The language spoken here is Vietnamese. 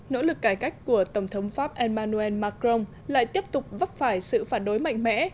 nỗ lực cải cách của tổng thống pháp emmanuel macron lại tiếp tục vấp phải sự phản đối mạnh mẽ